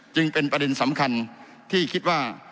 จึงเป็นประเด็นสำคัญที่คิดว่า